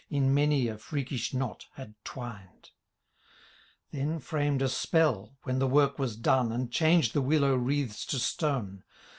In many a freakish knot, had twined ; Then framed a spell, when the work was done. And changed the willow wreaths to stone.